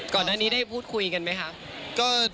ก่อนหน้านี้ได้พูดคุยกันไหมคะ